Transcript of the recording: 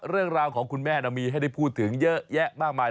เรื่องราวของคุณแม่มีให้ได้พูดถึงเยอะแยะมากมาย